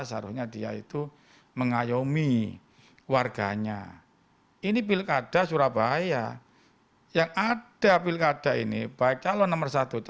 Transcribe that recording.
seharusnya dia itu mengayomi warganya ini pilkada surabaya yang ada pilkada ini baik calon nomor satu